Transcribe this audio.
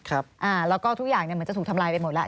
แล้วก็ทุกอย่างเหมือนจะถูกทำลายไปหมดแล้ว